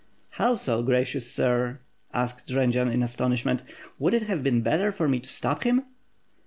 "How so, gracious sir?" asked Jendzian in astonishment. "Would it have been better for me to stab him?"